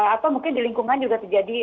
atau mungkin di lingkungan juga terjadi